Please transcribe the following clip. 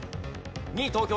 ２位東京。